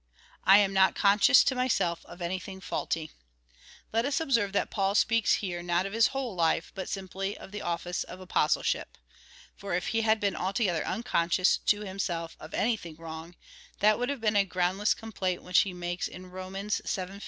/ atn not conscious to myself of anything faulty. Let us observe that Paul speaks here not of his whole life, but simply of the office of apostleship. For if he had been altogether unconscious to himself of anything wrong,2 that would have been a groundless complaint which he makes in Rom. vii.